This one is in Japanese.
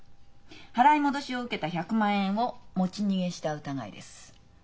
払い戻しを受けた１００万円を持ち逃げした疑いです。